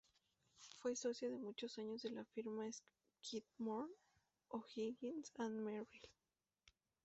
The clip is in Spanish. Fue socia por muchos años de la firma Skidmore, Owings and Merrill.